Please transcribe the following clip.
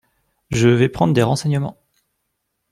Je vais prendre des renseignements !…